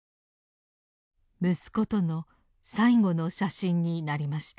息子との最後の写真になりました。